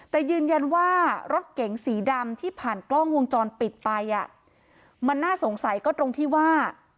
แต่ยืนยันว่ารถเก๋งสีดำที่ผ่านกล้องวงจรปิดไปอ่ะมันน่าสงสัยก็ตรงที่ว่า